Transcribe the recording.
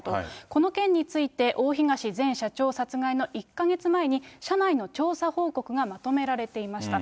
この件について、大東前社長殺害の１か月前に、社内の調査報告がまとめられていました。